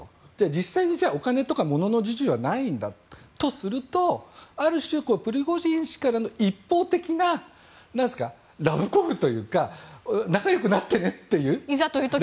実際にお金とか物の授受はないんだとするとある種、プリゴジン氏からの一方的なラブコールというか仲良くなってねという。